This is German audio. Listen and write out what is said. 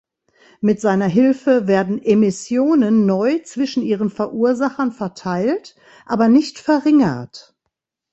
Mit seiner Hilfe werden Emissionen neu zwischen ihren Verursachern verteilt, aber nicht verringert.